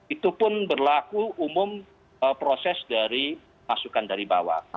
itu pun berlaku umum proses dari masukan dari bawah